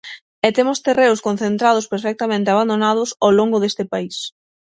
E temos terreos concentrados perfectamente abandonados ao longo deste país.